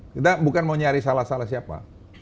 kita bukan mau nyari salah salah siapa